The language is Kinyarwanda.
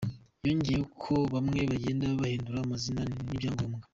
Yongeyeho ko bamwe bagenda bahindura amazina n’ibyangombwa .